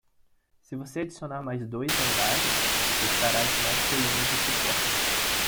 Se você adicionar mais dois andares?, precisará de mais colunas de suporte.